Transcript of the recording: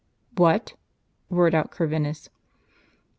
''"* "What?" roared out Corvinus.